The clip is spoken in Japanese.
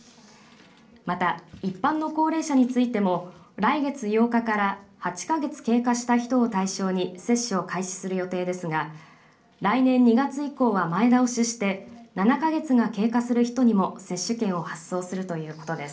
また、一般の高齢者についても来月８日から８か月経過した人を対象に接種を開始する予定ですが来年２月以降は前倒しして７か月が経過する人にも接種券を発送するということです。